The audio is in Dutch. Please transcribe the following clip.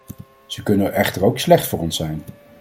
Ze kunnen echter ook slecht voor ons zijn.